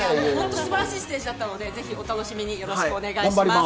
素晴らしいステージだったので、ぜひお楽しみによろしくお願いします。